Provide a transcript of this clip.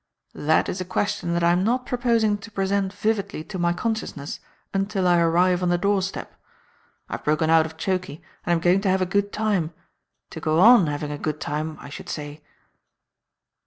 "That is a question that I am not proposing to present vividly to my consciousness until I arrive on the door step. I've broken out of chokee and I'm going to have a good time to go on having a good time, I should say."